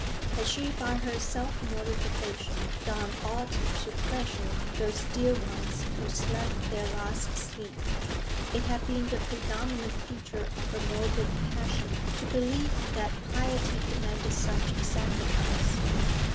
Had she by her self mortification done aught to pleasure those dear ones who slept their last sleep? It had been the predominant feature of her morbid passion to believe that piety demanded such a sacrifice.